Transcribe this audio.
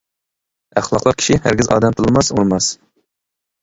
ئەخلاقلىق كىشى ھەرگىز، ئادەم تىللىماس، ئۇرماس!